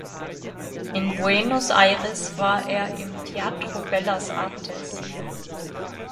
In Buenos Aires war er im Teatro Bellas Artes.